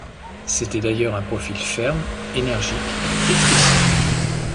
C’était d’ailleurs un profil ferme, énergique et triste.